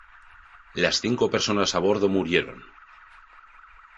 Las cinco personas a bordo murieron.